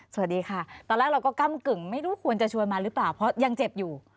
สวัสดีค่ะตอนแรกเราก็ก้ำกึ่งไม่รู้ควรจะชวนมาหรือเปล่าเพราะยังเจ็บอยู่